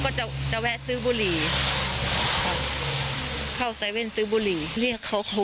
ก็จะจะแวะซื้อบุหรี่ครับเข้าไซเว่นซื้อบุหรี่เรียกเขาเขา